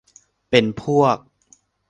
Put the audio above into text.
เป็นพวก